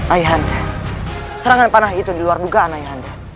ayah anda serangan panah itu diluar dugaan ayah anda